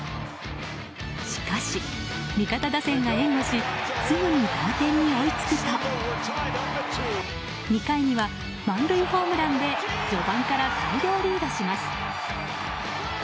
しかし、味方打線が援護しすぐに同点に追いつくと２回には満塁ホームランで序盤から大量リードします。